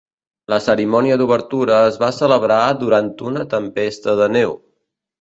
La cerimònia d'obertura es va celebrar durant una tempesta de neu.